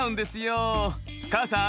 母さん